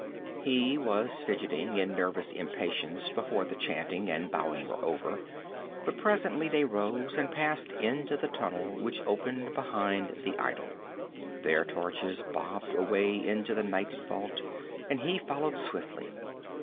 He was fidgeting in nervous impatience before the chanting and bowing were over, but presently they rose and passed into the tunnel which opened behind the idol. Their torches bobbed away into the nighted vault, and he followed swiftly.